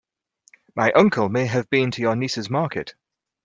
My uncle may have been to your niece's market.